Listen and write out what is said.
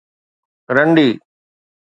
رنڊي